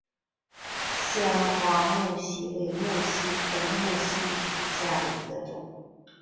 香花木犀为木犀科木犀属下的一个种。